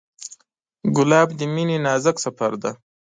ګلاب د مینې نازک سفر دی.